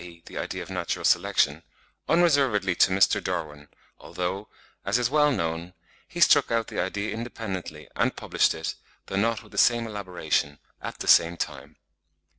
e. the idea of natural selection) unreservedly to Mr. Darwin, although, as is well known, he struck out the idea independently, and published it, though not with the same elaboration, at the same time.")